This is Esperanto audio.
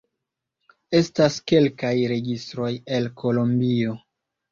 Estas kelkaj registroj el Kolombio.